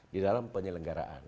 di dalam penyelenggaraan